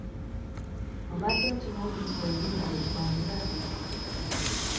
Obadde okimanyi nti olulimi lye ggwanga?